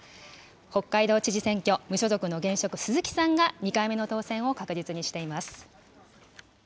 北海道知事選挙、無所属の現職、鈴木さんが２回目の当選を確実にしています。